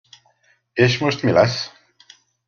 És most mi lesz?